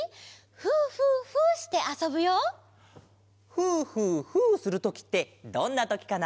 「ふーふーふー」するときってどんなときかな？